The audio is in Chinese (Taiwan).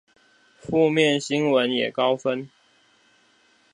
負面新聞也高分